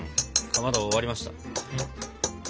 かまど終わりました。